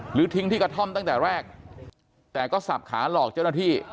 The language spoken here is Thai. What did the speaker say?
ทิ้งที่กระท่อมตั้งแต่แรกแต่ก็สับขาหลอกเจ้าหน้าที่